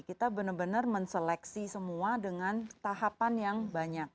kita benar benar menseleksi semua dengan tahapan yang banyak